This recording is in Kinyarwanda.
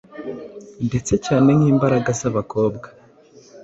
Ndetse cyane nkimbaraga zabakobwa